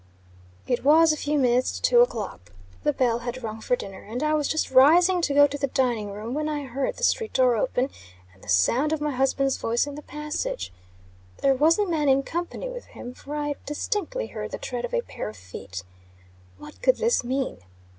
It was a few minutes to two o'clock. The bell had rung for dinner; and I was just rising to go to the dining room, when I heard the street door open, and the sound of my husband's voice in the passage. There was a man in company with him, for I distinctly heard the tread of a pair of feet. What could this mean?